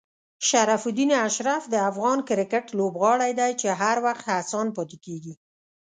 شرف الدین اشرف د افغان کرکټ لوبغاړی دی چې هر وخت هڅاند پاتې کېږي.